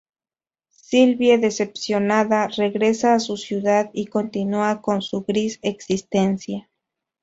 Sylvie, decepcionada, regresa a su ciudad y continúa con su gris existencia.